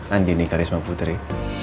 andi nih karisma putri